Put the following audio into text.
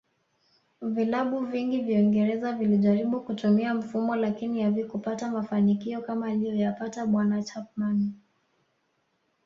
Vilabu vingi vya uingereza vilijaribu kutumia mfumo lakini havikupata mafanikio kama aliyoyapata bwana Chapman